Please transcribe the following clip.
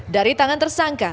dari tangan tersangka